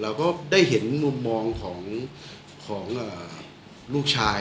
เราก็ได้เห็นมุมมองของลูกชาย